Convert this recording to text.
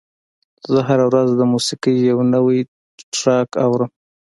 زه هره ورځ د موسیقۍ یو نوی ټراک اورم.